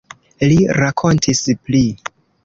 Li rakontis pli.